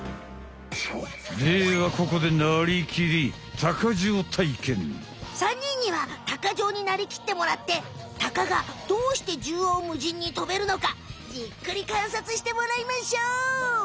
ではここで３にんには鷹匠になりきってもらってタカがどうしてじゅうおうむじんにとべるのかじっくりかんさつしてもらいましょう。